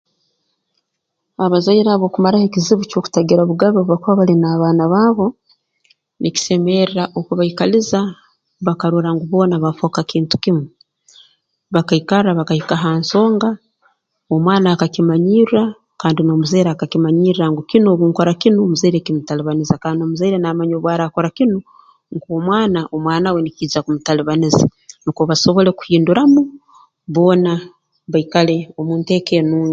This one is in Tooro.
Abazaire abo kumaraho ezibu ky'okutagira bugabe obu bakuba bali n'abaana baabo nikisemerra okubaikaliza bakarora ngu boona bafooka kintu kimu bakaikarra bakahika ha nsonga omwana akakimanyirra kandi n'omuzaire akakimanyirra ngu kinu obu nkora kinu omuzaire kimutalibaniza kandi n'omuzaire naamanya ngu obu araakora kinu nk'omwana omwana we nawe nkiija kumutalibaniza nukwo basobole kuhinduramu boona baikale omu nteeka enun